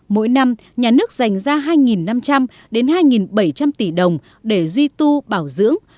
mỗi năm nhà nước dành ra hai năm trăm linh đến hai bảy trăm linh tỷ đồng để duy tu bảo dưỡng